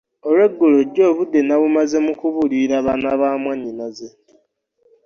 Olweggulo jjo obudde nabumaze mu kubuulirira baana ba mwannyinaze.